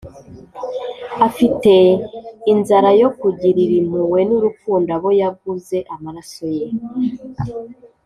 Afite inzara yo kugirira impuhwe n’urukundo abo yaguze amaraso ye.